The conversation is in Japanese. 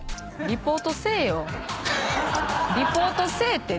リポートせえって！